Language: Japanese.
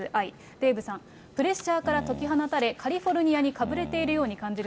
デーブさん、プレッシャーから解き放たれ、カリフォルニアにかぶれているようまあ